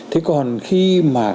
thế còn khi mà